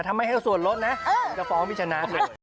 ถ้าไม่ให้เอาส่วนลดนะจะฟ้องพี่ชนะ